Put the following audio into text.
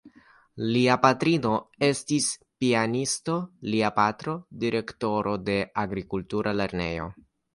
Lia patrino estis pianisto, lia patro direktoro de agrikultura lernejo.